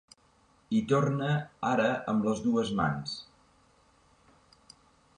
Hi torna, ara amb les dues mans.